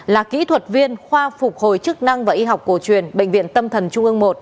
là kỹ thuật viên khoa phục hồi chức năng và y học cổ truyền bệnh viện tâm thần trung ương một